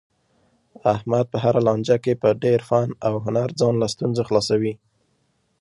احمد په هره لانجه کې په ډېر فن او هنر ځان له ستونزو خلاصوي.